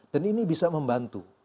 dan ini bisa membantu